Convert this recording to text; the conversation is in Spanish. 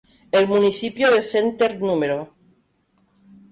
El municipio de Center No.